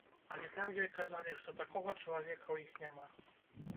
Але там ёй казалі, што такога чалавека ў іх няма.